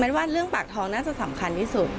ว่าเรื่องปากท้องน่าจะสำคัญที่สุด